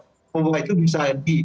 justru perluasan itu dengan nilai yang